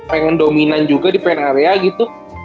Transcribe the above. pengen dominan juga di plan area gitu